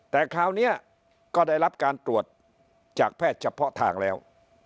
แต่คราวนี้ก็ได้รับการตรวจจากแพทย์เฉพาะทางแล้ว